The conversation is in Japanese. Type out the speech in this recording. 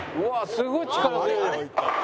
すごい力強い。